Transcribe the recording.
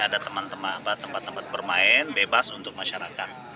ada teman teman tempat tempat bermain bebas untuk masyarakat